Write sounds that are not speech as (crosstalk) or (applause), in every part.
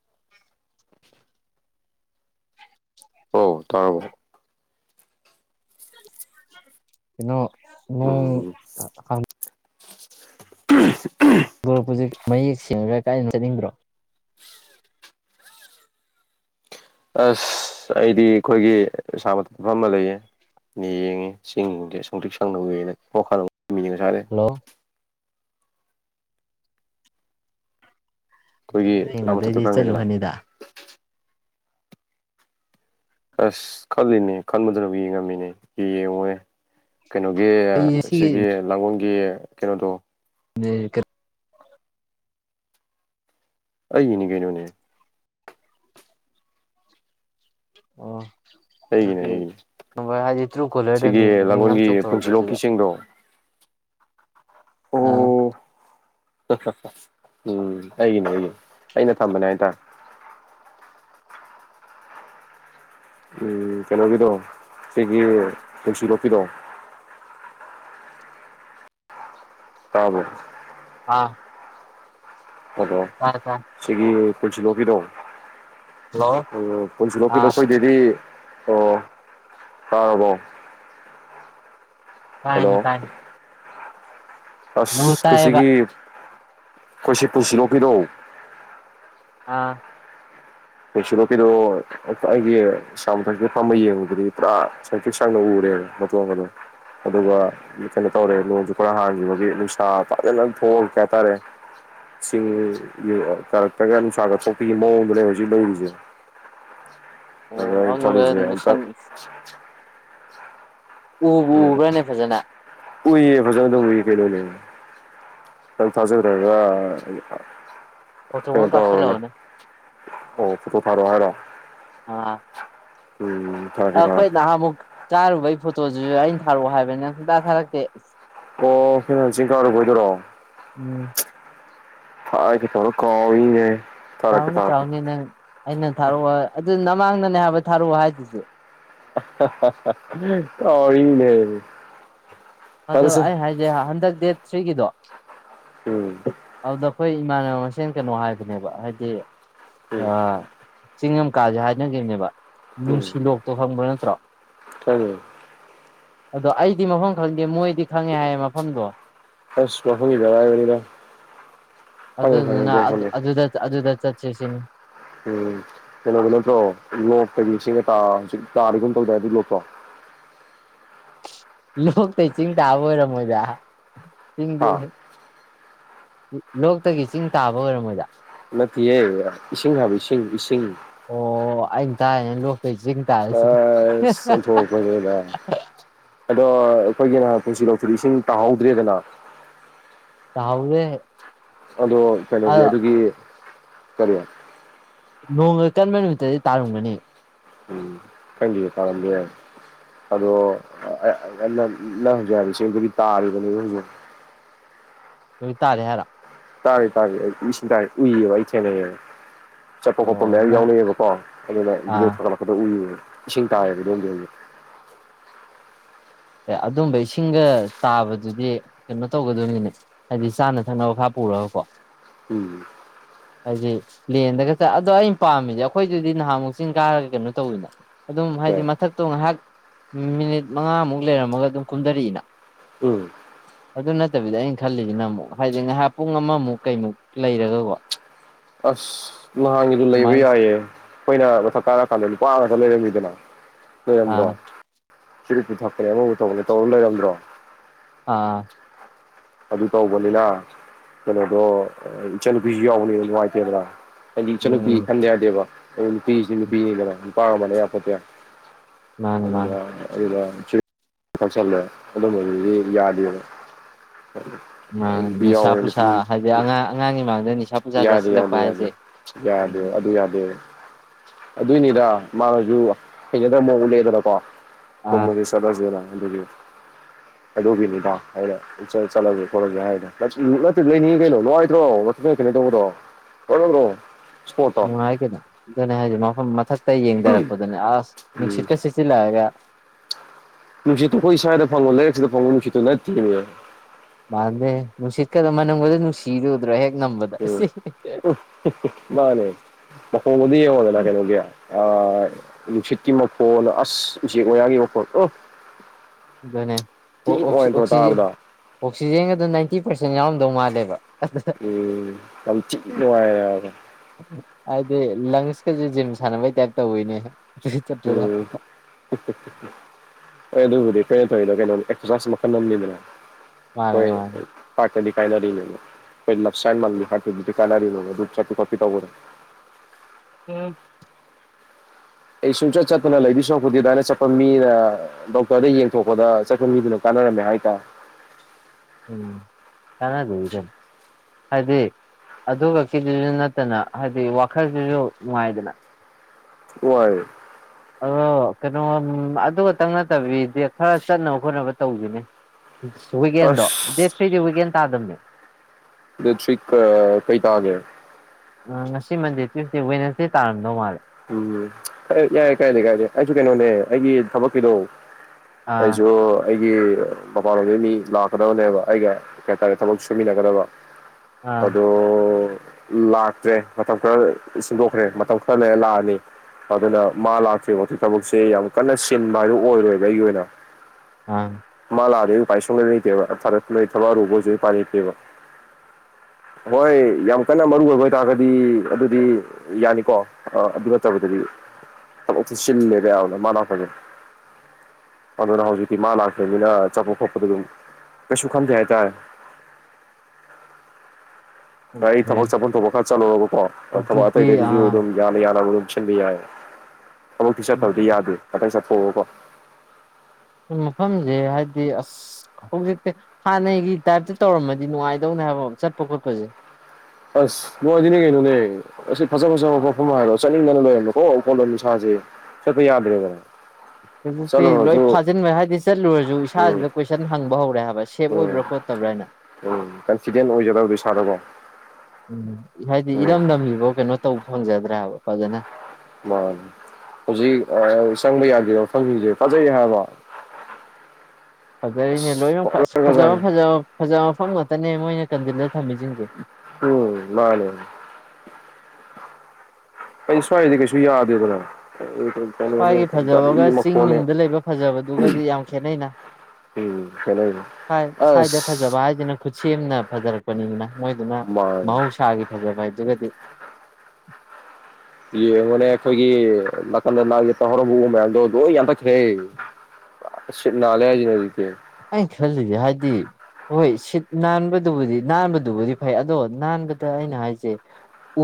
(inaudible) ꯑꯣ ꯇꯥꯔꯕꯣ ꯀꯩꯅꯣ ꯅꯣꯡ ꯑꯎꯝ ꯇꯣꯔꯣꯛꯄꯨꯁꯦ ꯃꯌꯦꯛ ꯁꯦꯡꯉꯤꯔ ꯀꯥꯏꯗꯅꯣ ꯆꯠꯅꯤꯡꯗ꯭ꯔꯣ ꯑꯁ ꯑꯩꯗꯤ ꯑꯩꯈꯣꯏꯒꯤ ꯍꯁꯥ ꯃꯊꯛꯇ ꯐꯝꯃ ꯂꯩꯌꯦ ꯌꯦꯉꯤ ꯆꯤꯡꯁꯦ ꯁꯨꯡꯇ꯭ꯔꯤ ꯁꯪꯅꯕ ꯎꯨꯏꯌꯦꯅ ꯃꯣꯈꯥ ꯃꯤꯅꯤ ꯉꯁꯥꯏꯗꯩ ꯍꯜꯂꯣ ꯑꯗꯨ ꯑꯩꯈꯣꯏꯒꯤ ꯁꯥ ꯃꯊꯛꯇꯣ ꯌꯦꯡꯕꯗꯩꯗꯤ ꯆꯠꯂꯨ ꯈꯪꯉꯤꯗꯅ ꯐꯅꯤꯗ ꯑꯁ ꯈꯜꯂꯤꯅꯦ ꯈꯟꯕꯗꯨꯅꯕꯨ ꯌꯦꯡꯉꯝꯃꯤꯅꯦ ꯌꯦꯡꯉꯣꯌꯦ ꯀꯩꯅꯣꯒꯤ ꯁꯤꯒꯤ ꯂꯥꯡꯒꯣꯜꯒꯤ ꯀꯩꯅꯣꯗꯣ ꯅꯔꯤ ꯀ ꯑꯩꯒꯤꯅꯤ ꯀꯩꯅꯣꯅꯦ ꯑꯣ ꯑꯩꯒꯤꯅꯦ ꯍꯥꯏꯗꯤ ꯑꯩꯒꯤꯅꯦ ꯅꯝꯕꯔ ꯍꯥꯏꯗꯤ ꯇ꯭ꯔꯨ ꯀꯣꯂꯔꯗ ꯁꯤꯒꯤ ꯃꯤꯡ ꯃꯤꯡ ꯑꯃ ꯂꯥꯡꯒꯣꯜꯒꯤ ꯄꯨꯟꯁꯤꯂꯣꯛꯀꯤ ꯆꯣꯡꯊꯣꯔꯛꯄꯁꯤꯗ (inaudible) ꯆꯤꯡꯗꯣ ꯑꯥ ꯑꯣ ꯎꯝ ꯑꯩꯒꯤꯅꯦ ꯑꯩꯒꯤꯅꯦ ꯑꯩꯅ ꯊꯝꯕꯅꯦ ꯍꯥꯏꯇꯥꯔꯦ (inaudible) ꯎꯝ ꯀꯩꯅꯣꯒꯤꯗꯣ ꯁꯤꯒꯤ ꯅꯨꯡꯁꯤꯔꯨꯞꯀꯤꯗꯣ ꯇꯥꯕ꯭ꯔꯣ ꯑꯥ ꯑꯗꯣ ꯇꯥꯏ ꯇꯥꯏ ꯁꯤꯒꯤ ꯄꯨꯟꯁꯤꯂꯣꯛꯀꯤꯗꯣ ꯍꯜꯂꯣ ꯎꯝ ꯄꯨꯟꯁꯤꯂꯣꯛꯀꯤꯗꯣ ꯑꯥ ꯑꯩꯈꯣꯏꯗꯩꯗꯤ ꯑꯣ ꯇꯥꯔꯕꯣ ꯃꯥꯏꯅꯤ ꯍꯜꯂꯣ ꯃꯥꯏꯅꯤ ꯑꯁ ꯑꯩꯈꯣꯏ ꯁꯤꯒꯤ ꯑꯩꯈꯣꯏꯁꯤ ꯄꯨꯟꯁꯤꯂꯣꯛꯀꯤꯗꯣ ꯑꯥ ꯀꯩꯁꯨꯂꯣꯄꯤꯗꯣ ꯑꯩꯒꯤ ꯏꯁꯥ ꯃꯊꯛꯁꯤꯗ ꯐꯝꯃꯒ ꯌꯦꯡꯕꯗꯗꯤ ꯄꯨꯔꯥ ꯁꯡꯇ꯭ꯔꯤꯛ ꯁꯡꯅ ꯎꯔꯦ ꯃꯗꯨ ꯃ (unintelligible) ꯑꯗꯨꯒ ꯀꯩꯅꯣ ꯇꯧꯔꯦ ꯅꯣꯡꯁꯨ ꯈꯔ ꯍꯥꯡꯈꯤꯕꯒꯤ ꯅꯨꯡꯁꯥ ꯐꯖꯅ ꯊꯣꯛꯑꯒ ꯀꯔꯤ ꯍꯥꯏꯇꯥꯔꯦ ꯆꯤꯡ ꯀꯥꯔꯛꯇꯒ ꯅꯨꯡꯁꯥꯒꯊꯣꯛꯄꯤꯒꯤ ꯃꯑꯣꯡꯗꯨꯅꯦ ꯍꯧꯖꯤꯛ ꯑꯣ (unintelligible) ꯎ ꯎꯕ꯭ꯔꯥꯅꯦ ꯐꯖꯅ ꯎꯏ ꯐꯁꯟꯗ ꯎꯏ ꯀꯗꯣ ꯂꯩ (unintelligible) ꯅꯪ ꯊꯥꯖꯗ꯭ꯔꯒ ꯐꯣꯇꯣ ꯀꯩꯅꯣ ꯑꯃ ꯀꯞꯁꯤꯟ ꯇꯧꯔꯒꯅꯦ ꯂꯛꯑꯎꯅꯦ ꯑꯣ ꯐꯣꯇꯣ ꯊꯥꯔꯛꯑꯣ ꯍꯥꯔꯤꯔꯣ ꯑꯥ ꯎꯝ ꯊꯥꯔꯛꯀꯦ ꯑꯩꯈꯣꯏ ꯊꯥꯔꯛꯀꯦ ꯅꯍꯥꯟꯃꯨꯛ ꯆꯥꯔꯨꯕꯒꯤ ꯐꯣꯇꯣꯗꯨꯁꯨ ꯑꯩꯅ ꯊꯥꯔꯛꯑꯣ ꯍꯥꯏꯕꯅꯤ ꯅꯪ ꯁꯨꯛꯊꯥ ꯊꯥꯔꯛꯇꯦ ꯑꯣ ꯑꯈꯣꯏꯅ ꯆꯤꯡ ꯀꯥꯔꯨꯕꯒꯤꯗꯨꯔꯣ ꯎꯝ ꯊꯥꯔꯛꯀꯦ ꯇꯧꯔ ꯀꯥꯎꯔꯤꯅꯤꯅꯍꯦ ꯀꯥꯎꯅꯤ ꯀꯥꯎꯅꯤ ꯅꯪ ꯑꯩꯅ ꯊꯥꯔꯛꯑꯣ ꯑꯗꯨ ꯅꯃꯥꯡꯗꯅꯦ ꯍꯥꯏꯕ ꯊꯥꯔꯛꯑꯣ ꯍꯥꯏꯔꯤꯁꯤꯁꯨ ꯑ ꯍꯥꯍꯥ ꯀꯥꯎꯔꯤꯅꯤꯅꯍꯦ ꯑꯗꯣ ꯑꯩ ꯍꯥꯏꯖꯦ ꯍꯟꯗꯛ ꯗꯦꯠ ꯊ꯭ꯔꯤꯒꯤꯗꯣ ꯎꯝ ꯑꯗꯨꯗ ꯑꯩꯈꯣꯏ ꯏꯃꯥꯟꯅꯕ ꯃꯁꯦꯟ ꯀꯩꯅꯣ ꯍꯥꯏꯕꯅꯦꯕ ꯍꯥꯏꯗꯤ ꯎꯝ ꯑꯥ ꯆꯤꯡꯉꯝꯀꯥꯁꯦ ꯍꯥꯏꯅꯈꯤꯕꯅꯦꯕ ꯎꯝ ꯅꯨꯡꯁꯤ ꯂꯣꯛꯇꯣ ꯈꯪꯕ ꯅꯠꯇ꯭ꯔꯣ ꯈꯪꯉꯦ ꯑꯗꯣ ꯑꯩꯗꯤ ꯃꯐꯝ ꯈꯪꯗꯦ ꯃꯣꯏꯗꯤ ꯈꯪꯉꯦ ꯍꯥꯏꯌꯦ ꯃꯐꯝꯗꯣ ꯑꯁ ꯃꯐꯝꯒꯤꯗꯤ ꯑꯔꯥꯏꯕꯅꯤꯗ ꯈꯪꯉꯦ ꯈꯪꯉꯦ ꯑꯗꯨꯗꯨꯅ ꯑꯗꯨ ꯃꯐꯝꯗꯣ ꯑꯗꯨꯗ ꯑꯗꯨꯗ ꯆꯠꯁꯦ ꯁꯤꯅꯤ ꯎꯝ ꯀꯩꯅꯣꯗꯨ ꯅꯠꯇ꯭ꯔꯣ ꯆꯤꯡꯂꯛꯇꯒꯤ ꯏꯁꯤꯡꯒ ꯇꯥ ꯇꯥꯔꯤꯒꯨꯝ ꯇꯧꯗꯥꯏ ꯑꯗꯨ ꯂꯣꯛꯇꯣ (inaudible) ꯂꯣꯛꯇꯒꯤ ꯆꯤꯡ ꯇꯥꯕ ꯑꯣꯏꯔꯝꯃꯣꯏꯗ ꯍꯥ ꯆꯤꯡꯗꯒꯤ ꯂꯣꯛꯇꯒꯤ ꯆꯤꯡ ꯇꯥꯕ ꯑꯣꯏꯔꯝꯃꯣꯏꯗ ꯅꯇꯤꯌꯦ ꯏꯁꯤꯡ ꯍꯥꯏꯕ ꯏꯁꯤꯡ ꯏꯁꯤꯡ ꯑꯣ ꯑꯩꯅ ꯇꯥꯏꯔꯤꯁꯤꯅ ꯂꯣꯛꯇꯒꯤ ꯆꯤꯡ ꯇꯥꯔꯦ ꯁꯤꯅꯤ ꯑꯁ ꯑꯣꯟꯊꯣꯛꯄꯅꯤꯗ ꯑꯗꯣ ꯑꯩꯈꯣꯏꯒꯤ ꯅꯍꯥꯟ ꯄꯨꯟꯁꯤ ꯂꯣꯛꯇꯨꯗꯤ ꯏꯁꯤꯡ ꯇꯥꯍꯧꯗ꯭ꯔꯦꯗꯅ ꯇꯥꯍꯧꯋꯦ ꯑꯗꯣ ꯀꯩꯅꯣꯒꯤ ꯑꯗꯨꯒꯤ ꯀꯔꯤ ꯅꯣꯡ ꯑꯀꯟꯕ ꯅꯨꯃꯤꯠꯇꯗꯤ ꯇꯥꯔꯝꯒꯅꯤ ꯈꯪꯗꯤꯌꯦ ꯇꯥꯔꯝꯕ ꯌꯥꯏ ꯑꯗꯣ ꯅ ꯍꯧꯖꯤꯛ ꯍꯥꯏꯔꯤ ꯆꯦꯡꯗꯒꯤ ꯇꯥꯔꯤꯕꯅꯤꯕ ꯍꯧꯖꯤꯛ ꯔꯣꯏ ꯇꯥꯔꯦ ꯍꯥꯏꯔꯣ ꯇꯥꯒꯦ ꯇꯥꯒꯦ ꯎꯏꯑꯕ ꯑꯩ ꯆꯦꯟꯅꯩꯑꯕ ꯆꯠꯄ ꯈꯣꯠꯄ ꯑꯣ ꯃꯌꯥꯝ ꯅꯪ ꯌꯥꯎꯅꯩꯌꯦꯕꯀꯣ ꯑꯗꯨꯅ ꯑꯥ ꯕꯤꯗꯤꯑꯣ ꯊꯒꯠꯂꯛꯄꯗ ꯎꯏꯕ ꯏꯁꯤꯡ ꯇꯒꯤꯕꯗꯣ ꯑꯣꯢꯗꯣꯢꯅꯤ ꯑꯦ ꯑꯗꯨꯝꯕ ꯏꯁꯤꯡꯒ ꯇꯥꯕꯗꯨꯗꯤ ꯀꯩꯅꯣ ꯇꯧꯒꯗꯣꯏꯅꯤꯅꯦ ꯍꯥꯏꯗꯤ ꯆꯥꯅ ꯊꯛꯅꯕꯞ ꯈꯔ ꯄꯨꯔꯒꯀꯣ ꯎꯝ ꯍꯥꯏꯗꯤ ꯂꯦꯟꯗꯒ ꯇꯥ ꯑꯗꯣ ꯑꯩꯅ ꯄꯥꯝꯃꯤꯁꯦ ꯑꯩꯈꯣꯏꯗꯨꯗꯤ ꯅꯍꯥꯟ ꯃꯨꯛ ꯆꯤꯡ ꯀꯥꯔꯒ ꯀꯩꯅꯣ ꯇꯧꯋꯦꯕ ꯑꯗꯨꯝ ꯍꯥꯏꯗꯤ ꯃꯊꯛꯇꯣ ꯉꯥꯏꯍꯥꯛ ꯃꯤꯅꯤꯠ ꯃꯉꯥꯃꯨꯛ ꯂꯩꯔꯝꯃꯒ ꯑꯗꯨꯝ ꯀꯨꯝꯗꯔꯛꯏꯅ ꯎꯝ ꯑꯗꯨ ꯅꯠꯇꯕꯤꯗ ꯑꯩꯅ ꯈꯜꯂꯤꯁꯤꯅ ꯑꯃꯨꯛ ꯍꯥꯏꯗꯤ ꯉꯥꯏꯍꯥꯛ ꯄꯨꯡ ꯑꯃꯃꯨꯛ ꯀꯩꯃꯨꯛ ꯂꯩꯔꯒꯀꯣ ꯑꯁ ꯅꯍꯥꯟꯒꯤꯗꯨ ꯂꯩꯕ ꯑꯗꯨꯃꯥꯏꯅ ꯌꯥꯏꯌꯦ ꯑꯩꯈꯣꯏꯅ ꯃꯊꯛ ꯀꯥꯔ ꯀꯥꯟꯗ ꯅꯨꯄꯥ ꯉꯥꯛꯇ ꯂꯩꯔꯝꯃꯤꯗꯅ ꯂꯩꯔꯝꯗ꯭ꯔꯣ ꯑꯥ ꯆꯨꯔꯨꯞꯄꯨ ꯊꯛꯄꯅꯦ ꯑꯃꯕꯨ ꯇꯧꯕꯅꯦ ꯇꯧꯔ ꯂꯩꯔꯝꯗ꯭ꯔꯣ ꯑꯥ ꯑꯗꯨ ꯇꯧꯕꯅꯤꯅ ꯀꯩꯅꯣꯗꯣ ꯏꯆꯟꯅꯨꯄꯤꯁꯨ ꯌꯥꯎꯕꯅꯤꯅ ꯅꯨꯡꯉꯥꯏꯇꯦꯗꯅ ꯑꯩꯗꯤ ꯎꯝ ꯏꯆꯟꯅꯨꯨꯄꯤ ꯎꯝ ꯈꯟꯗ ꯌꯥꯗꯦꯕ ꯑꯗꯨ ꯅꯨꯄꯤꯁꯤꯗꯤ ꯅꯨꯄꯤꯅꯤꯗꯅ ꯅꯨꯄꯥꯒ ꯃꯥꯟꯅꯕ ꯌꯥꯄꯣꯟꯇꯦ ꯃꯥꯅꯦ ꯃꯥꯅꯦ ꯑꯗꯨꯅ ꯑꯗꯨꯅ ꯁꯤ ꯐꯪꯁꯜꯂꯦ ꯑꯗꯨꯝꯕꯗꯨꯗꯤ ꯌꯥꯗꯦꯕ ꯃꯥ ꯅꯨꯄꯤ ꯅꯤꯁꯥ ꯌꯥꯎꯔꯝꯃꯗꯤ ꯄꯨꯁꯥ ꯍꯥꯏꯗꯤ ꯑꯉꯥꯡ ꯑꯉꯥꯡꯒꯤ ꯃꯥꯡꯗ ꯅꯤꯁꯥ ꯄꯨꯁꯥ ꯌꯥꯗꯦ ꯆꯥꯁꯤꯜꯂꯛꯄ ꯌꯥꯗꯦ ꯌꯥꯗꯦ ꯍꯥꯏꯁꯦ ꯌꯥꯗꯦ ꯑꯗꯨ ꯌꯥꯗꯦ ꯑꯗꯨꯏꯅꯤꯗ ꯃꯥꯅꯁꯨ ꯍꯩꯅꯗꯕ ꯃꯑꯣꯡ ꯎꯠꯂꯛꯑꯦꯗꯅꯀꯣ ꯑꯥ ꯀꯨꯝꯃꯁꯦ ꯆꯠꯂꯁꯦꯅ ꯑꯗꯨꯒꯤ ꯑꯗꯨꯒꯤꯅꯤꯗ ꯍꯥꯏꯔꯦ ꯆꯠꯂꯒꯦ ꯈꯣꯠꯂꯒꯦ ꯍꯥꯏꯗꯣ ꯅꯠꯇ꯭ꯔꯗꯤ ꯂꯩꯅꯤꯉꯤ ꯀꯩꯅꯣ ꯅꯨꯡꯉꯥꯏꯗꯇ꯭ꯔꯣ ꯃꯊꯛꯇꯩ ꯀꯩꯅꯣ ꯇꯧꯕꯗꯣ ꯅꯣ ꯅꯣ ꯅꯣ ꯅꯨꯡꯉꯥꯏ ꯀꯩꯅꯣ ꯑꯗꯨꯅꯦ ꯍꯥꯏꯁꯦ ꯃꯐꯝ ꯃꯊꯛ ꯇꯩ ꯌꯦꯡꯗꯔꯛꯄꯗꯅꯦ ꯑꯁ ꯎꯝ ꯅꯨꯡꯁꯤꯠꯀ ꯁꯤꯠꯆꯤꯜꯂꯛꯑꯒ ꯅꯨꯡꯁꯤꯇꯣ ꯑꯩꯈꯣꯏ ꯁ꯭ꯋꯥꯏꯗ ꯐꯪꯕ ꯂꯩꯔꯛꯁꯤꯗ ꯐꯪꯕ ꯅꯨꯡꯁꯇꯣ ꯅꯠꯇꯦꯃꯤ ꯃꯥꯥꯟꯅꯗꯦꯍꯦ ꯅꯨꯡꯁꯤꯠ ꯀꯗꯣ ꯃꯅꯝꯒꯗꯣ ꯅꯨꯡꯁꯤꯔꯤꯗꯣ ꯎꯗ꯭ꯔꯣ ꯍꯦꯛ ꯅꯝꯕꯗ ꯎꯝ ꯁꯤ ꯃꯥꯟꯅꯦ ꯃꯈꯣꯟꯒꯗꯣ ꯌꯦꯡꯉꯣꯗꯅ ꯀꯩꯅꯣꯒꯤ ꯑꯥ ꯅꯨꯡꯁꯤꯠꯀꯤ ꯃꯈꯣꯜ ꯑꯁ ꯎꯆꯦꯛ ꯋꯥꯌꯥꯒꯤ ꯃꯈꯣꯜ ꯎꯝ ꯑꯗꯨꯅꯦ ꯑꯣꯛ ꯑꯣꯛ ꯑꯣꯛꯁꯤ ꯇꯥꯕꯗ ꯑꯣꯛꯁꯤꯖꯦꯟꯒꯗꯣ ꯅꯥꯏꯟꯇꯤ ꯄꯥꯔꯁꯦꯟ ꯌꯥꯎꯔꯝ ꯗꯧ ꯃꯥꯜꯂꯦꯕ ꯎꯝ ꯌꯥꯝ ꯊꯤ ꯅꯨꯡꯉꯥꯏ ꯍꯥꯏꯕ ꯍꯥꯏꯗꯤ ꯂꯪꯁꯀꯁꯦ ꯖꯤꯝ ꯁꯥꯟꯅꯕꯩ ꯇꯥꯏꯞ ꯇꯧꯋꯤꯅꯦ ꯆꯍꯤ ꯇꯠꯇꯣꯢꯅ ꯎꯝ ꯍꯣꯏ ꯑꯗꯨꯕꯨꯗꯤ ꯑꯩꯈꯣꯏꯅ ꯇꯧꯔꯤꯗ ꯀꯩꯅꯣꯅꯦ ꯑꯦꯛꯁ꯭ꯔꯁꯥꯏꯁ ꯃꯈꯜ ꯑꯃꯅꯤꯗꯅ ꯃꯥꯅꯦ ꯍꯣꯏ ꯃꯥꯅꯦ ꯍꯥꯢꯗꯤ ꯀꯥꯢꯅꯗꯣꯢꯅꯦꯕ ꯑꯈꯣꯢ ꯂꯕ ꯁꯥꯢꯟ ꯃꯥꯟꯕꯤ ꯍꯥꯠꯕꯤꯗ ꯇꯨꯗꯤ ꯀꯥꯟꯅꯔꯤ ꯑꯗꯨꯝ ꯆꯠꯄꯤ ꯈꯣꯠꯄꯤ ꯇꯧꯕꯅꯤ ꯎꯝ ꯑꯩ ꯁꯨꯡꯆꯠ ꯆꯠꯇꯅ ꯂꯩꯗꯨꯏ ꯁꯔꯨꯛꯄꯨꯗꯤ ꯑꯗꯨꯃꯥꯏꯅ ꯆꯠꯄ ꯃꯤꯅ ꯗꯣꯛꯇ꯭ꯔꯗ ꯌꯦꯡꯊꯣꯛꯄꯗ ꯆꯠꯄ ꯃꯤꯗꯨꯅ ꯀꯥꯟ ꯅꯅꯤ ꯍꯥꯏꯇꯥꯔꯦ ꯎꯝ ꯀꯅꯥꯗꯨꯅꯦ ꯀꯩꯅꯣ ꯍꯥꯏꯗꯤ ꯑꯗꯨ ꯈꯛꯀꯤꯗꯨꯁꯨ ꯅꯠꯇꯅ ꯍꯥꯏꯗꯤ ꯋꯥꯈꯜꯁꯤꯁꯨ ꯅꯨꯡꯉꯥꯏꯗꯅ ꯋꯥꯏ ꯑꯗꯣ ꯀꯩꯅꯣ ꯑꯗꯨꯇꯪ ꯅꯠꯇꯕꯤꯗꯦꯠ ꯈꯔ ꯆꯠꯅꯕ ꯈꯣꯠꯅꯕ ꯇꯧꯁꯤꯅꯦ ꯋꯤꯛꯁ ꯋꯤꯛꯀꯦꯟꯗꯣ ꯗꯦꯠ ꯑꯁ ꯊ꯭ꯔꯤꯗꯤ ꯋꯤꯛꯀꯦꯟ ꯇꯥꯗꯕꯅꯦ ꯗꯦꯠ ꯊ꯭ꯔꯤ ꯀꯥ ꯀꯩ ꯇꯥꯒꯦ ꯑ ꯉꯁꯤ ꯃꯟꯗꯦ ꯇ꯭ꯌꯨꯁꯗꯦ ꯋꯦꯟꯅꯁꯗꯦ ꯇꯥꯔꯝꯗꯧ ꯃꯥꯜꯂꯦ ꯎꯝ ꯑꯩ ꯌꯥꯏ ꯀꯥꯏꯗꯦ ꯀꯥꯏꯗꯦ ꯑꯩꯁꯨ ꯀꯩꯅꯣꯅꯦ ꯑꯩꯒꯤ ꯊꯕꯛꯀꯤꯗꯣ ꯑꯥ ꯑꯩꯁꯨ ꯑꯩ ꯑꯩꯒꯤ ꯃꯄꯥꯟ ꯂꯝꯗꯒꯤ ꯃꯤ ꯂꯥꯛꯀꯗꯕꯅꯦꯕ ꯑꯩꯒ ꯀꯩꯍꯥꯏꯇꯥꯔꯦ ꯊꯕꯛ ꯁꯨꯃꯤꯟꯅꯒꯗꯕ ꯑꯥ ꯑꯗꯣ ꯂꯥꯛꯇ꯭ꯔꯦ ꯃꯇꯝ ꯈꯔ ꯁꯤꯟꯗꯣꯛꯈ꯭ꯔꯦ ꯃꯇꯝ ꯈꯔ ꯂꯩꯔ ꯂꯥꯛꯑꯅꯤ ꯑꯗꯨꯅ ꯃꯥ ꯂꯥꯛꯇ꯭ꯔꯤꯕꯨꯛꯇꯤ ꯊꯕꯛꯁꯦ ꯌꯥꯝ ꯀꯟꯅ ꯆꯤꯟꯕ ꯍꯥꯏꯗꯨ ꯑꯣꯏꯔꯣꯏꯕ ꯑꯩꯒꯤ ꯑꯣꯏꯅ ꯑꯥ ꯃꯥ ꯂꯥꯛꯑꯗꯤ ꯑꯩ ꯎꯄꯥꯏ ꯁꯨꯛꯂꯩ ꯂ ꯩꯇꯦꯕ ꯑ ꯊꯔꯛ ꯅꯣꯏ ꯊꯕꯛ ꯑꯔꯨꯕ ꯑꯣꯏꯁꯨ ꯎꯄꯥꯏ ꯂꯩꯇꯦꯕ ꯍꯣꯏ ꯌꯥꯝ ꯀꯟꯅ ꯃꯔꯨ ꯑꯣꯏꯕ ꯑꯣꯏꯇꯥꯔꯒꯗꯤ ꯑꯗꯨꯗꯤ ꯌꯥꯅꯤꯀꯣ ꯑ ꯑꯗꯨ ꯅꯠꯇꯕꯗꯗꯤ ꯊꯕꯛꯁꯦ ꯆꯤꯜꯂꯦꯕ ꯌꯥꯝꯅ ꯃꯥ ꯂꯥꯛꯄꯖꯦ ꯑꯗꯨꯅ ꯍꯧꯖꯤꯛꯇꯤ ꯃꯥ ꯂꯥꯛꯇ꯭ꯔꯕꯅꯤꯅ ꯆꯠꯄ ꯈꯣꯠꯄꯗꯣ ꯑꯗꯨꯝ ꯀꯩꯁꯨ ꯈꯟꯗꯦ ꯍꯥꯏꯇꯥꯔꯦ (inaudible) ꯍ ꯑꯩ ꯑꯣꯀꯦ ꯊꯕꯛ ꯆꯠꯐꯝ ꯊꯣꯛꯄ ꯈꯔ ꯆꯠꯂꯨꯔꯒꯀꯣ ꯊꯕꯛ ꯑꯇꯩ ꯑꯗꯨꯗꯤ ꯑꯇꯩꯗꯁꯨ ꯑꯥ ꯑꯗꯨꯝ ꯌꯥꯅ ꯌꯥꯅꯕ ꯑꯗꯨꯝ ꯁꯤꯟꯕ ꯌꯥꯏ ꯊꯕꯛꯇꯤ ꯆꯠꯇꯕꯗꯤ ꯌꯥꯗꯦ ꯉꯥꯇꯪ ꯆꯠꯊꯣꯛꯑꯒꯀꯣ ꯃꯐꯝꯁꯦ ꯍꯥꯏꯕꯗꯤ ꯑꯁ ꯍꯧꯖꯤꯛꯇꯤ ꯍꯥꯟꯅꯒꯤ ꯇꯥꯏꯞꯇ ꯇꯧꯔꯝꯃꯗꯤ ꯅꯨꯡꯉꯥꯏꯗꯧꯅ ꯆꯠꯄ ꯈꯠꯄꯁꯦ ꯑꯁ ꯃꯣꯏꯗꯤꯅꯦ ꯀꯩꯅꯣꯅꯦ ꯑꯁꯤꯁ ꯐꯖ ꯐꯖꯕ ꯄꯐꯝ ꯍꯥꯏꯔꯣ ꯆꯠ ꯆꯅꯤꯡꯗꯅ ꯂꯣꯏꯔꯃꯦ ꯈꯣ ꯈꯣ ꯈꯣꯠꯂꯝꯅꯦ ꯏꯁꯥꯁꯦ ꯆꯠꯄ ꯌꯥꯗ꯭ꯔꯦꯗꯅ ꯍꯧꯖꯤꯛꯇꯤ ꯂꯣꯏ ꯆꯠꯂꯨꯔꯁꯨ ꯐꯥꯖꯤꯟꯃꯦ ꯍꯥꯏꯗꯤ ꯆꯠꯂꯨꯔꯁꯨ ꯎꯝ ꯏꯁꯥꯁꯤꯗ ꯀꯣꯏꯁꯟ ꯍꯪꯕ ꯍꯧꯔꯦ ꯍꯥꯏꯕ ꯁꯦꯞ ꯎꯝ ꯑꯣꯏꯕ꯭ꯔꯥ ꯈꯣꯠꯇꯕ꯭ꯔꯥ ꯍꯥꯏꯅ ꯎꯝ ꯀꯟꯐꯤꯗꯦꯟ ꯑꯣꯏꯖꯗꯕꯗꯣ ꯏꯁꯥꯗꯀꯣ ꯎꯝ ꯍꯥꯏꯗꯤ ꯎꯝ ꯏꯔꯝꯗꯝꯁꯤꯐꯣ ꯀꯩꯅꯣ ꯇꯧꯕ ꯐꯪꯖꯗ꯭ꯔꯦꯕ ꯐꯖꯅ ꯃꯥꯅꯦ ꯍꯧꯖꯤꯛ ꯆꯪꯕ ꯌꯥꯗ꯭ꯔꯤꯕ ꯃꯐꯝꯁꯤꯡꯁꯦ ꯐꯖꯩ ꯍꯥꯏꯕ (inaudible) ꯑꯁ ꯐꯖꯔꯤꯅꯦ ꯂꯣꯏꯅꯃꯛ ꯐꯖꯕ ꯐꯖꯈ꯭ꯔꯖꯥꯠꯅꯤ ꯐꯖ ꯐꯖꯕ ꯃꯐꯝ ꯈꯛꯇꯅꯦ ꯃꯣꯏꯅ ꯀꯟꯁꯤꯜꯂ ꯊꯝꯃꯤꯁꯤꯡꯁꯦ ꯎꯝ ꯃꯥꯅꯦ ꯑꯩ ꯁꯨꯋꯥꯏꯗꯗꯤ ꯀꯩꯁꯨ ꯌꯥꯗꯦꯗꯅ ꯀꯩꯅꯣꯅꯦ ꯁ꯭ꯋꯥꯏꯒꯤ ꯒꯥꯔꯤ ꯐꯖꯕꯒ ꯃꯈꯣꯟꯅꯦ ꯆꯤꯡꯅꯨꯡꯗ ꯂꯩꯕ ꯐꯖꯕꯗꯨꯒꯗꯤ ꯌꯥꯝ ꯈꯦꯠꯅꯩꯅ ꯎꯝ ꯈꯦꯠꯅꯩ ꯁꯥꯏ ꯁꯥꯏꯗ ꯐꯖꯕ ꯑꯁ ꯍꯥꯏꯖꯤꯅ ꯈꯨꯠ ꯁꯦꯝꯅ ꯐꯖꯔꯛꯄꯅꯤꯅ ꯃꯣꯏꯗꯨꯅ ꯃꯥꯅꯦ ꯃꯍꯧꯁꯥꯒꯤ ꯐꯖꯕ ꯍꯥꯏꯖꯤꯒꯗꯤ ꯌꯦꯡꯉꯣꯅꯦ ꯑꯩꯈꯣꯏꯒꯤ ꯅꯥꯀꯟꯗꯅꯥ ꯅꯥꯛ ꯌꯦꯠꯇ ꯍꯧꯔꯝꯕ ꯎ ꯃꯌꯥꯝꯗꯣ ꯂꯣꯏ ꯌꯥꯟꯊꯠꯈ꯭ꯔꯦ ꯄꯨꯔ ꯁꯤꯠ ꯅꯥꯜꯂꯦ ꯍꯥꯏꯖꯤꯅꯦ ꯍꯧꯖꯤꯛꯇꯤ ꯑꯩ ꯈꯜꯁꯤꯖꯦ ꯍꯥꯏꯗꯤ ꯍꯣꯏ ꯁꯤꯠ ꯅꯥꯟꯕꯗꯨꯕꯨꯗꯤ ꯅꯥꯟꯕꯗꯨꯕꯨꯗꯤ ꯐꯩ ꯑꯗꯣ ꯅꯥꯟꯕꯗ ꯑꯩꯅ ꯍꯥꯏꯁꯦ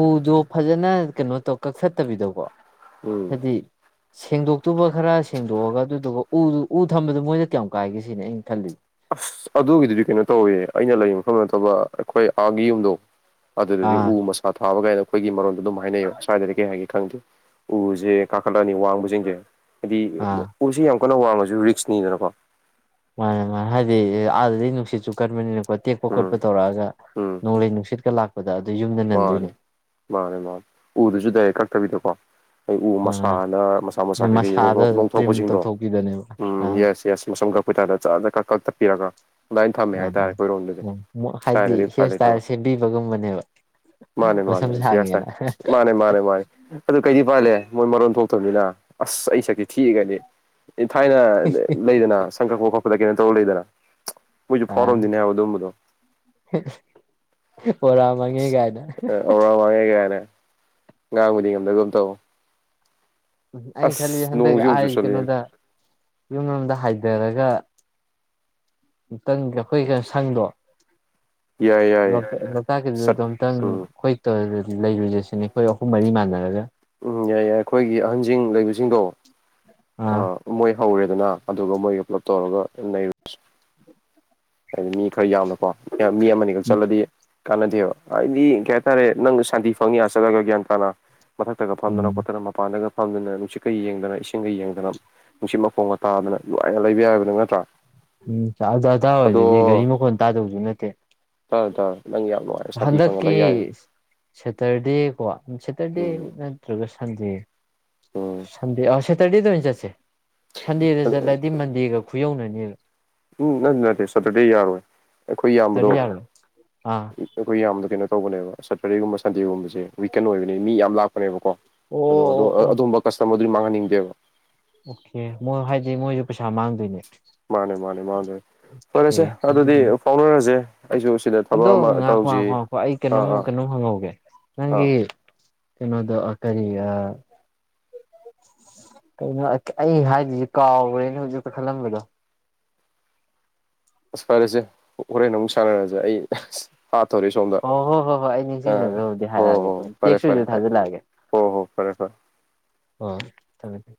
ꯎꯗꯣ ꯐꯖꯅ ꯀꯩꯅꯣ ꯇꯧ ꯀꯛꯊꯠꯇꯕꯤꯗꯀꯣ ꯎꯝ ꯍꯥꯏꯗꯤ ꯁꯦꯡꯗꯣꯛꯇꯨꯕ ꯈꯔ ꯁꯦꯡꯗꯣꯛꯑꯒ ꯑꯗꯨꯗꯨꯒ ꯎꯗꯨ ꯎ ꯊꯝꯕꯗꯨ ꯃꯣꯏꯗ ꯀꯌꯥꯝ ꯀꯥꯏꯒꯦ ꯁꯤꯅꯤ ꯑꯩꯅ ꯈꯜꯂꯤꯁꯦ ꯑꯁ ꯑꯗꯨꯒꯤꯗꯨꯗꯤ ꯀꯩꯅꯣ ꯇꯧꯋꯦ ꯑꯩꯅ ꯂꯩꯕ ꯃꯐꯝ ꯅꯠꯇꯕ ꯑꯩꯈꯣꯏ ꯑꯥꯒꯤ ꯌꯨꯝꯗꯣ ꯑꯗꯨꯗꯗꯤ ꯎ ꯑꯥ ꯃꯁꯥ ꯊꯥꯕ ꯀꯥꯏꯅ ꯑꯩꯈꯣꯏꯒꯤ ꯃꯔꯣꯟꯗ ꯑꯗꯨꯝ ꯍꯥꯏꯅꯩꯕ ꯁ꯭ꯋꯥꯏꯗꯗꯤ ꯀꯩ ꯍꯥꯏꯒꯦ ꯈꯪꯗꯦ ꯎꯁꯦ ꯀꯥꯈꯠꯂꯥꯅꯤ ꯋꯥꯡꯕꯁꯤꯡꯁꯦ ꯍꯥꯏꯗꯤ ꯑꯥ ꯎꯁꯦ ꯌꯥꯝ ꯑꯈꯣꯢꯅ ꯋꯥꯡꯉꯁꯨ ꯔꯤꯛꯁꯅꯤꯅꯀꯣ ꯃꯥꯅꯦ ꯃꯥꯅꯦ ꯍꯥꯏꯗꯤ ꯑꯗꯗꯤ ꯅꯨꯡꯁꯤꯠꯁꯨ ꯀꯟꯕꯅꯤꯅ ꯇꯦꯛꯄ ꯎꯝ ꯈꯣꯠꯄ ꯇꯧꯔꯛꯑꯒ ꯎꯝ ꯅꯣꯡꯂꯩ ꯅꯨꯡꯁꯤꯠꯀ ꯂꯥꯛꯄꯗ ꯌꯨꯝꯗ ꯃꯥꯅꯦ ꯅꯟꯗꯣꯏꯅꯦ ꯃꯥꯅꯦ ꯃꯥꯅꯤ ꯎꯗꯨꯁꯨ ꯗꯥꯢꯔꯦꯛ ꯀꯛꯇꯕꯤꯗꯀꯣ ꯑꯩ ꯎ ꯑꯥ ꯃꯁꯥꯅ ꯃꯁꯥ ꯃꯁꯥ ꯀꯩꯀꯩ ꯃꯁꯥꯗ ꯇ꯭ꯔꯤꯝ ꯂꯣꯡꯊꯣꯔꯛꯄꯁꯤꯡꯗꯣ ꯇꯧꯊꯣꯛꯄꯤꯗꯣꯏꯅꯦꯕ ꯎꯝ ꯑꯥ ꯌꯦꯁ ꯌꯦꯁ ꯃꯁꯝ ꯀꯛꯄꯩ ꯇꯥꯏꯞꯇ ꯖꯔ ꯖꯔ ꯀꯛ ꯀꯛ ꯊꯠꯄꯤꯔꯒ ꯂꯥꯏꯟ ꯊꯝꯃꯦ ꯑꯥ ꯍꯥꯏꯇꯥꯔꯦ ꯑꯥ ꯑꯩꯈꯣꯏ ꯔꯣꯝꯗꯗꯤ ꯎꯝ ꯍꯥꯏꯗꯤ ꯁꯥꯏꯗꯗꯤ ꯎꯄꯥꯏ ꯍꯤꯌꯔ ꯏꯁꯇꯥꯏꯜ ꯂꯩꯇꯕ ꯁꯦꯝꯕꯤꯕꯒꯨꯝꯕꯅꯦꯕ ꯃꯥꯅꯦ ꯃꯥꯅꯦ ꯃꯁꯝ ꯁꯤꯌꯥꯇ ꯁꯥꯡꯉꯦꯅ ꯃꯥꯅꯦ ꯃꯥꯅꯦ ꯃꯥꯅꯦ ꯑꯗꯨ ꯀꯩꯗꯤ ꯎꯄꯥꯏ ꯂꯩ ꯃꯣꯏ ꯃꯔꯣꯟ ꯊꯣꯛꯇꯕꯅꯤꯅ ꯑꯁ ꯑꯩ ꯁꯛꯁꯦ ꯊꯤꯑꯒꯗꯤ ꯊꯥꯏꯅ ꯂꯩꯗꯅ ꯁꯪꯀꯛꯄ ꯈꯣꯠꯄꯗ ꯀꯩꯅꯣ ꯇꯧꯔꯒ ꯂꯩꯗꯅ ꯃꯣꯏꯁꯨ ꯑ ꯐꯣꯔꯝꯗꯨꯅꯦ ꯍꯥꯏꯕ ꯑꯗꯨꯒꯨꯝꯕꯗꯣ ꯑꯣꯔꯃꯪꯉꯦ ꯀꯥꯏꯗ ꯋꯥꯡꯉꯦ ꯀꯥꯏꯅ ꯉꯥꯡꯕꯗꯤ ꯉꯝꯗꯒꯨꯝ ꯇꯧ ꯎꯝ ꯑꯩꯅ ꯈꯜꯂꯤ ꯑꯁ ꯍꯟꯗꯛ ꯅꯣꯡꯁꯤ ꯑꯃꯨꯛ ꯑꯥꯢ ꯆꯨꯁꯜꯂꯛꯑꯦꯅꯦ ꯀꯩꯅꯣꯗ ꯌꯨꯝ ꯂꯣꯝꯗ ꯍꯥꯏ ꯂꯩꯔꯒ ꯑꯃꯨꯛꯇꯪ ꯑꯩꯈꯣꯏꯒ ꯁꯪꯗꯣ ꯌꯥꯏ ꯌꯥꯏꯌꯦ ꯆꯠ ꯂꯣꯛꯇꯥꯛꯀꯤꯗꯨꯗꯗꯣꯝꯇꯪ ꯎꯝ ꯑꯈꯣꯏ ꯂꯩꯔꯨꯁꯦ ꯁꯤꯅꯤ ꯑꯩꯈꯣꯏ ꯑꯍꯨꯝ ꯃꯔꯤ ꯃꯥꯟꯅꯔꯒ ꯎꯝ ꯌꯥꯏ ꯌꯥꯏ ꯑꯩꯈꯣꯏꯒꯤ ꯑꯍꯥꯟ ꯖꯤꯡ ꯂꯩꯕꯁꯤꯡꯗꯣ ꯑ ꯑꯥ ꯃꯣꯏ ꯍꯧꯔꯦꯗꯅ ꯑꯗꯨꯒ ꯃꯣꯏꯒ ꯄꯨꯂꯞ ꯇꯧꯔꯒ ꯅꯩꯔꯨꯁꯤ ꯍꯥꯏꯗꯤ ꯃꯤ ꯈꯔ ꯌꯥꯝꯅꯀꯣ ꯃꯤ ꯑꯃꯅꯤꯈꯛ ꯆꯠꯂꯗꯤ ꯀꯥꯟꯅꯗꯦꯕ ꯍꯥꯏꯗꯤ ꯀꯩ ꯍꯥꯏꯇꯥꯔꯦ ꯅꯪ ꯁꯥꯟꯇꯤ ꯐꯪꯉꯤ ꯑ ꯆꯠꯂꯒ ꯒ꯭ꯌꯥꯟ ꯇꯥꯅ ꯃꯊꯛꯇꯒ ꯐꯝꯗꯅ ꯎꯝ ꯈꯣꯠꯇꯅ ꯃꯄꯥꯟꯗꯒ ꯐꯝꯗꯅ ꯅꯨꯡꯁꯤꯠ ꯀ ꯌꯦꯡꯗꯅ ꯏꯁꯤꯡꯒ ꯌꯦꯡꯗꯅ ꯅꯨꯡꯁꯤꯠ ꯃꯈꯣꯡꯒ ꯇꯥꯗꯅ ꯅꯨꯡꯉꯥꯏꯅ ꯂꯩꯕ ꯌꯥꯏꯕꯗꯣ ꯅꯠꯇ꯭ꯔꯥ ꯎꯝ ꯑꯗꯥꯋꯥꯏꯗꯗ ꯑꯗꯣ ꯑꯣꯏꯔꯗꯤ ꯒꯥꯔꯤ ꯃꯈꯣꯟ ꯇꯥꯗꯧꯕꯁꯨ ꯅꯠꯇꯦ ꯀꯗ ꯍꯟꯗꯛꯀꯤ ꯁꯦꯇꯔꯗꯦꯀꯣ ꯁꯦꯇꯔꯗꯦ ꯎꯝ ꯅꯠꯇ꯭ꯔꯒꯁꯨ ꯁꯟꯗ ꯎꯝ ꯁꯟꯗꯦ ꯑꯧ ꯁꯦꯇꯔꯗꯦꯗ ꯑꯣꯏꯅ ꯆꯠꯁꯦ ꯁꯟꯗꯦꯗ ꯆꯠꯂꯗꯤ ꯃꯟꯗꯦꯒ ꯈꯨꯌꯧꯅꯅꯦꯕ ꯎꯝ ꯅꯠꯇꯦ ꯅꯠꯇꯦ ꯁꯇꯔꯗꯦ ꯌꯥꯔꯣꯏ ꯑꯩꯈꯣꯏ ꯏꯌꯥꯝꯕꯗꯣ ꯁꯦꯇꯔꯗꯦ ꯌꯥꯔꯣꯏ ꯑꯥ ꯑꯩꯈꯣꯏ ꯌꯥꯝꯕꯗꯣ ꯀꯩꯅꯣ ꯇꯧꯕꯅꯦꯕ ꯁꯦꯇꯔꯗꯦꯒꯨꯝꯕ ꯁꯟꯗꯦꯒꯨꯝꯕꯁꯦ ꯋꯤꯀꯦꯟ ꯑꯣꯏꯕꯅꯦ ꯃꯤ ꯌꯥꯝ ꯂꯥꯛꯄꯅꯦꯕꯀꯣ ꯑꯣ ꯑꯗꯣ ꯑꯣ ꯑꯣ ꯑꯗꯨꯨꯝꯕ ꯀꯁꯇꯃꯔꯗꯨꯗꯤ ꯃꯥꯡꯍꯟꯅꯤꯡꯗꯦꯕ ꯑꯣꯀꯦ ꯃꯣꯏ ꯍꯥꯏꯗꯤ ꯃꯣꯏꯁꯨ ꯄꯩꯁꯥ ꯃꯥꯡꯗꯣꯏꯅꯦ ꯃꯥꯅꯦ ꯃꯥꯅꯦ ꯃꯥꯅꯦ ꯑꯣꯀꯦ ꯐꯔꯦꯁꯦ ꯑꯗꯨꯗꯤ ꯑꯗꯨꯗꯨꯅ ꯐꯥꯎꯅꯔꯁꯦ ꯑꯩꯁꯨ ꯁꯤꯗ ꯑꯗꯣ ꯊꯕꯛ ꯑꯃ ꯉꯥꯈꯣ ꯉꯥꯈꯣ ꯇꯧꯁꯤ ꯉꯥꯈꯣ ꯑꯩ ꯑꯥ ꯀꯩꯅꯣꯝꯃ ꯑꯥ ꯀꯩꯅꯣꯝ ꯍꯪꯍꯧꯒꯦ ꯑꯥ ꯅꯪꯒꯤ ꯀꯩꯅꯣꯗ ꯑꯀꯔꯤꯌꯥ ꯀꯩꯅꯣ ꯑꯩ ꯍꯥꯏꯗꯨꯏꯁꯦ ꯀꯥꯎꯒ꯭ꯔꯦꯅꯦ ꯍꯧꯖꯤꯛꯇ ꯈꯜꯂꯝꯕꯗꯣ (inaudible) ꯑꯁ ꯐꯔꯦꯁꯦ ꯍꯣꯔꯦꯟ ꯑꯃꯨꯛ ꯁꯥꯟꯅꯔꯁꯦ ꯑꯩ ꯍꯥꯥꯠꯇꯣꯔꯦ ꯁꯣꯝꯗ ꯑꯣ ꯍꯣ ꯍꯣꯏ ꯍꯣꯏ ꯑꯩ ꯑꯥ ꯅꯤꯡꯁꯤꯡꯉꯒꯕꯨꯗꯤ ꯍꯣ ꯍꯣ ꯍꯥꯏꯔꯛꯑꯒꯦ ꯍꯣ ꯑꯗꯨꯝ ꯐꯔꯦ ꯐꯔꯦ ꯇꯦꯛꯁꯁꯨ ꯐꯔꯦ ꯊꯥꯖꯤꯜꯂꯛꯑꯒꯦ ꯍꯣ ꯍꯣ ꯐꯔꯦ ꯐꯔꯦ ꯍꯣꯏ ꯊꯝꯃꯦ ꯊꯝꯃꯦ